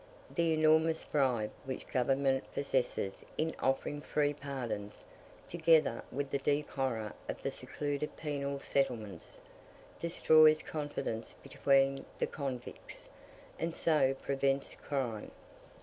The enormous bribe which Government possesses in offering free pardons, together with the deep horror of the secluded penal settlements, destroys confidence between the convicts, and so prevents crime.